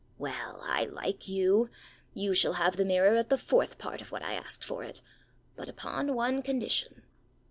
Well, I like you: you shall have the mirror at the fourth part of what I asked for it; but upon one condition.